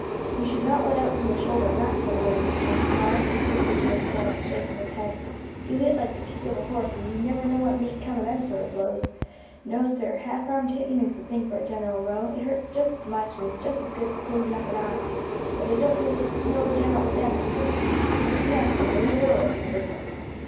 "You should not let out from the shoulder in that sort of way, Mr. Norris," the pugilist said, shaking his head; "you hit like the kick of a horse, and you never know what mayn't come of them sort of blows. No, sir; half armed hitting is the thing for a general row; it hurts just as much, and is just as good for closing up an eye, but it don't do no general damage, so to speak. Now, sir, there's a row over the business.